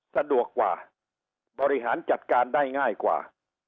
สะดวกกว่าบริหารจัดการได้ง่ายกว่า